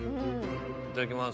いただきます。